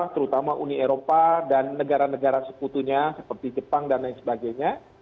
terutama uni eropa dan negara negara seputunya seperti jepang dan lain sebagainya